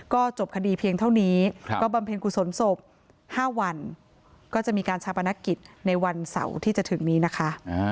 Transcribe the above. ก็จบคดีเพียงเท่านี้ก็บำเพ็ญกุศลศพ๕วันก็จะมีการชาปนกิจในวันเสาร์ที่จะถึงนี้นะคะ